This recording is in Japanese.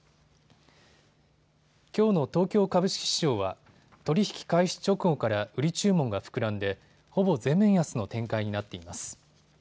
きょうの東京株式市場は取り引き開始直後から売り注文が膨らんでほぼ全面安の展開になっています。